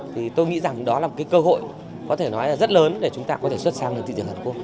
thì tôi nghĩ rằng đó là một cơ hội rất lớn để chúng ta có thể xuất sang thị trường hàn quốc